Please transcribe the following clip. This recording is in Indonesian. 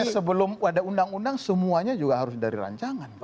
sebelum ada undang undang semuanya juga harus dari rancangan